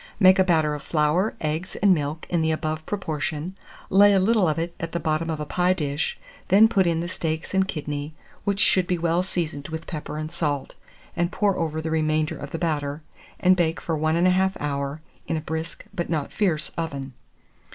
Make a batter of flour, eggs, and milk in the above proportion; lay a little of it at the bottom of a pie dish; then put in the steaks and kidney, which should be well seasoned with pepper and salt, and pour over the remainder of the batter, and bake for 1 1/2 hour in a brisk but not fierce oven.